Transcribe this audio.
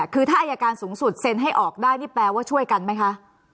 คือถ้าอายการสูงสุดเซ็นให้ออกได้นี่แปลว่าช่วยกันไหมคะ